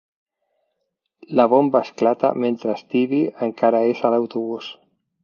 La bomba esclata mentre Stevie encara és a l'autobús.